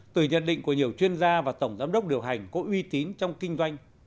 từ nhận định của nhiều chuyên gia và tổng giám đốc điều hành có uy tín trong kinh doanh